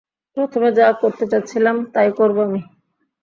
প্রথমে যা করতে যাচ্ছিলাম, তাই করবো আমি।